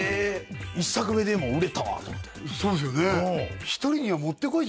一作目でもう売れたわと思ってそうですよね